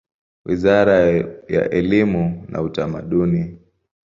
Wizara ya elimu na Utamaduni.